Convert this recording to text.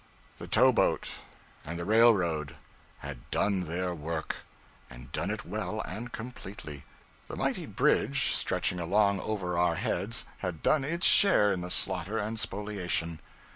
The towboat and the railroad had done their work, and done it well and completely. The mighty bridge, stretching along over our heads, had done its share in the slaughter and spoliation.